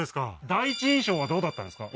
第一印象はどうだったんですか？